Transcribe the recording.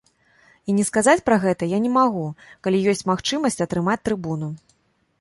І не сказаць пра гэта я не магу, калі ёсць магчымасць атрымаць трыбуну.